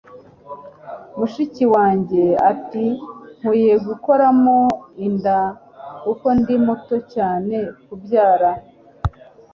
mushiki wanjye ati nkwiye gukuramo inda kuko ndi muto cyane kubyara